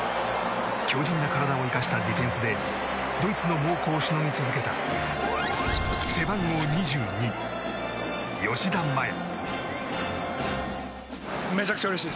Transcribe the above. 強靭な体を生かしたディフェンスでドイツの猛攻をしのぎ続けた背番号２２、吉田麻也。